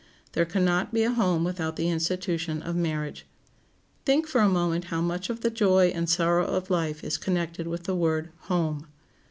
There can not be a home without the institution of marriage. Think for a moment how much of the joy and sorrow of life is connected with the word home.